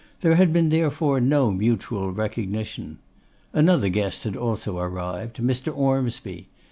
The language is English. There had been, therefore, no mutual recognition. Another guest had also arrived, Mr. Ormsby.